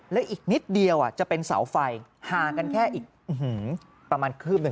และอีกนิดเดียวจะเป็นเสาไฟห่างกันแค่อีกประมาณคืบหนึ่ง